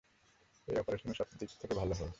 এই অপারেশন সব দিক থেকে ভাল হতে হবে।